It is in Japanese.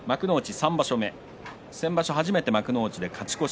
３場所目先場所、初めて幕内で勝ち越し。